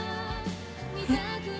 えっ？